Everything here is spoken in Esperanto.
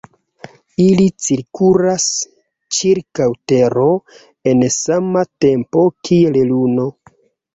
Ili cirkulas ĉirkaŭ Tero en sama tempo kiel Luno.